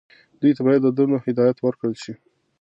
دوی ته باید د دندو هدایت ورکړل شي.